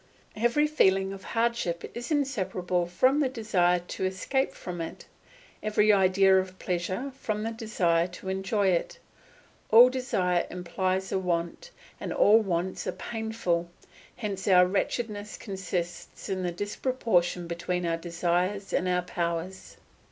Every feeling of hardship is inseparable from the desire to escape from it; every idea of pleasure from the desire to enjoy it. All desire implies a want, and all wants are painful; hence our wretchedness consists in the disproportion between our desires and our powers.